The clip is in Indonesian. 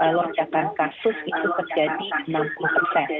lonjakan kasus itu terjadi enam puluh persen